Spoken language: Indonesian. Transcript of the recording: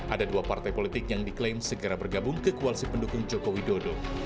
ada dua partai politik yang diklaim segera bergabung ke koalisi pendukung jokowi dodo